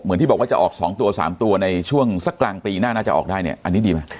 ที่บอกว่าจะออก๒ตัว๓ตัวในช่วงสักกลางปีหน้าน่าจะออกได้เนี่ยอันนี้ดีไหม